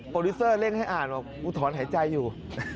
ดิวเซอร์เร่งให้อ่านบอกอุทธรณ์หายใจอยู่